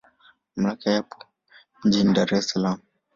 Mamlaka haya yapo mjini Dar es Salaam.